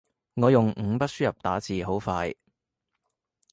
我用五筆輸入打字好快